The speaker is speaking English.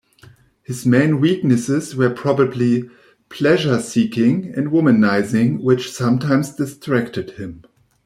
His main weaknesses were probably pleasure-seeking and womanising, which sometimes distracted him.